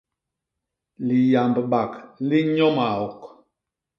Liyambbak li nnyo maok.